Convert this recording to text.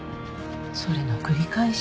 それの繰り返し